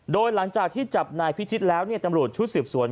โดยหลังจากที่จับนายพิชิตแล้วตำรวจชุดสืบสวน